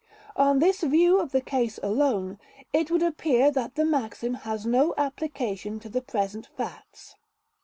On this view of the case alone, it would appear that the maxim has no application to the present facts.